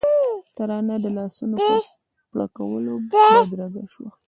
ترانه د لاسونو په پړکولو بدرګه شوه.